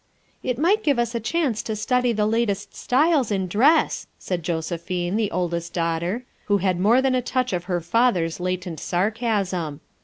"It might give us a chance to study the lat est styles in dress," said Josephine, the oldest daughter, who had more than a touch of her father's latent sarcasm.